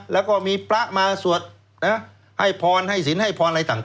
แล้วก็มีพระมาสวดให้พรให้ศิลป์ให้พรอะไรต่าง